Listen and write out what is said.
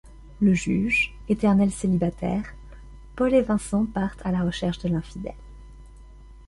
Le juge, éternel célibataire, Paul et Vincent partent à la recherche de l'infidèle.